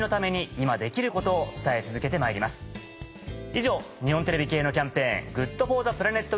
以上日本テレビ系のキャンペーンＧｏｏｄＦｏｒｔｈｅＰｌａｎｅｔ